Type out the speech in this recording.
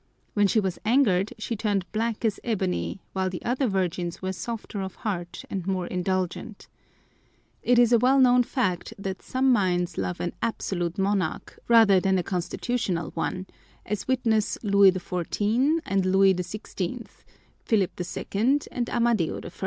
When she was angered she turned black as ebony, while the other Virgins were softer of heart and more indulgent. It is a well known fact that some minds love an absolute monarch rather than a constitutional one, as witness Louis XIV and Louis XVI, Philip II and Amadeo I.